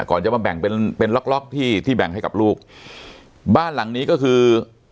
ก่อนจะมาแบ่งเป็นเป็นล็อกล็อกที่ที่แบ่งให้กับลูกบ้านหลังนี้ก็คือ